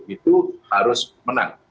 itu harus menang